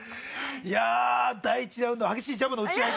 いやあ第１ラウンドは激しいジャブの打ち合いという。